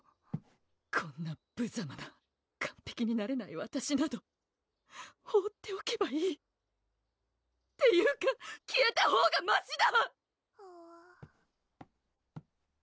こんなぶざまな完璧になれないわたしなど放っておけばいいっていうか消えたほうがましだ！